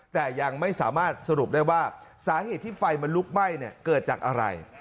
แต่ยังไม่สามารถสรุปได้ว่าสาเหตุที่ไฟมันลุกไหม้เกิดจากอะไร